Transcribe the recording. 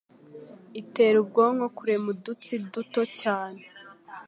itera ubwonko kurema udutsi duto cyane